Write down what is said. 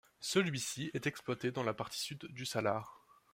Celui-ci est exploité dans la partie sud du salar.